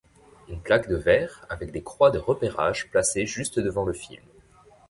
Une plaque de verre avec des croix de repérages placé juste devant le film.